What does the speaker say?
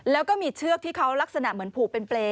แล้วก็มีเชือกที่เขาลักษณะเหมือนผูกเป็นเปรย